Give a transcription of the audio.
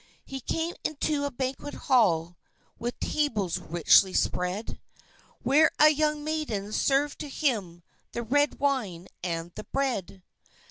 He came into a banquet hall with tables richly spread, Where a young maiden served to him the red wine and the bread.